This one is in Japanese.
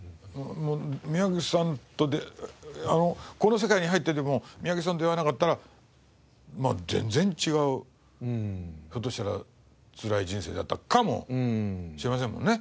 三宅さんとこの世界に入ってても三宅さんと出会わなかったらまあ全然違うひょっとしたらつらい人生だったかもしれませんもんね。